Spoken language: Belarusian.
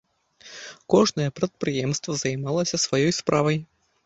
Кожнае прадпрыемства займалася сваёй справай.